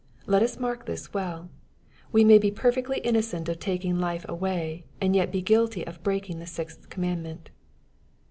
Let us mark this welL We may be perfectly innocent of taking life away, and yet be guilty of breaking the sixth commandment.